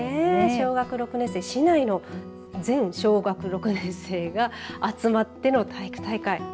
小学６年生市内の全小学６年生が集まっての体育大会。